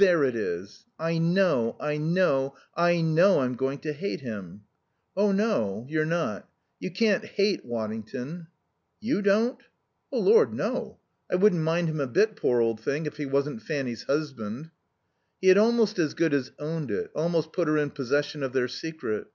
"There it is. I know I know I know I'm going to hate him." "Oh, no, you're not. You can't hate Waddington." "You don't?" "Oh, Lord, no. I wouldn't mind him a bit, poor old thing, if he wasn't Fanny's husband." He had almost as good as owned it, almost put her in possession of their secret.